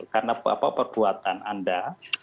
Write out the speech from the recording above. karena perbuatan anda